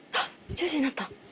１０時になった。